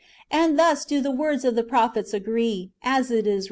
And thus do the words of the prophets agree, 1 Acts XV.